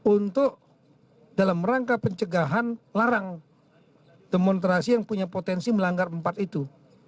untuk dalam rangka pencegahan larang demonstrasi yang punya potensi melanggar empat itu